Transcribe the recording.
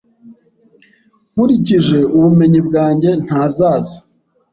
Nkurikije ubumenyi bwanjye, ntazaza